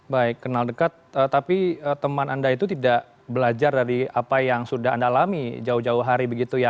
baik kenal dekat tapi teman anda itu tidak belajar dari apa yang sudah anda alami jauh jauh hari begitu ya